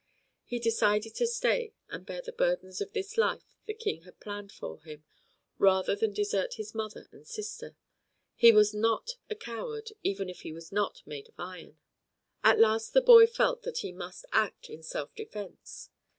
He decided to stay and bear the burdens of this life the King had planned for him rather than desert his mother and sister. He was not a coward even if he was not made of iron. At last the boy felt that he must act in self defense.